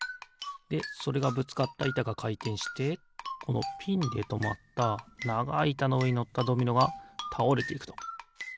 でそれがぶつかったいたがかいてんしてこのピンでとまったながいいたのうえにのったドミノがたおれていくと。